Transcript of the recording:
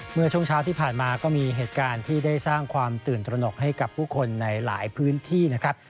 เมื่อช่วงเช้าที่ผ่านมาก็มีเหตุการณ์ที่ได้สร้างความตื่นตระหนกให้กับผู้คนในหลายพื้นที่นะครับ